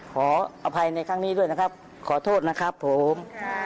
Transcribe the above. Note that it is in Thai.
ขออภัยในครั้งนี้ด้วยนะครับขอโทษนะครับผม